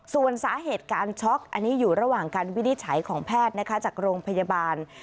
ส่วนสาเหตุการช็อกอันนี้อยู่ระหว่างการวินิจฉัยของแพทย์นะคะจากโรงพยาบาล